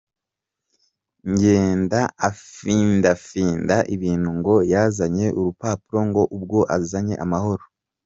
Ntagende afindafinda ibintu ngo yazanye urupapuro ngo ubwo azanye amahoro.